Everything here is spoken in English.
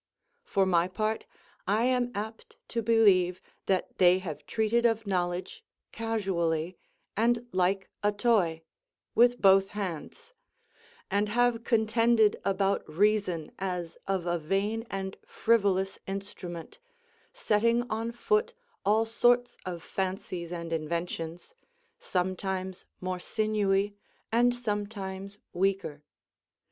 For my part, I am apt to believe that they have treated of knowledge casually, and like a toy, with both hands; and have contended about reason as of a vain and frivolous instrument, setting on foot all sorts of fancies and inventions, sometimes more sinewy, and sometimes weaker.